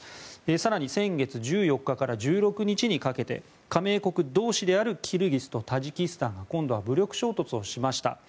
更に、先月１４日から１６日にかけて加盟国同士であるキルギスとタジキスタンが今度は武力衝突をしました。